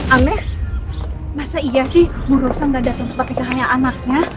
aneh masa iya sih bu rosa gak datang ke tempat ikan hanya anaknya